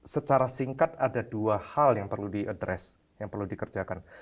secara singkat ada dua hal yang perlu diadres yang perlu dikerjakan